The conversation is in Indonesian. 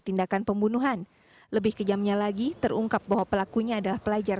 tindakan pembunuhan lebih kejamnya lagi terungkap bahwa pelakunya adalah pelajar